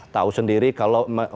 tahu sendiri kalau